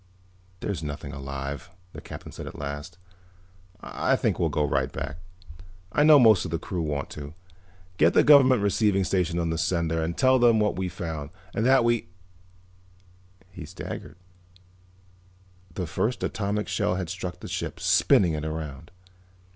"There's nothing alive," the Captain said at last. "I think we'll go right back; I know most of the crew want to. Get the Government Receiving Station on the sender and tell them what we found, and that we " He staggered. The first atomic shell had struck the ship, spinning it around.